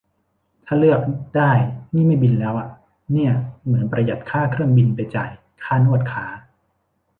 ถ้าเลือกได้นี่ไม่บินแล้วอะ เนี่ย เหมือนประหยัดค่าเครื่องบินไปจ่ายค่านวดขา